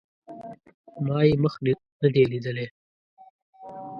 ما یې مخ نه دی لیدلی